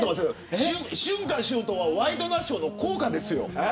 春夏秋冬はワイドナショーの校歌ですよ。